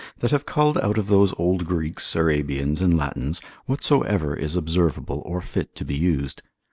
that have culled out of those old Greeks, Arabians, and Latins, whatsoever is observable or fit to be used.